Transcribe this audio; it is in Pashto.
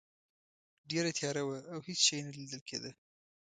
ډیره تیاره وه او هیڅ شی نه لیدل کیده.